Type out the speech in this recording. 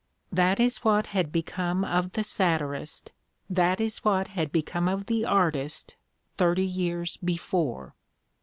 That is what had become of the satirist, that is what had become of the artist, thirty years be fore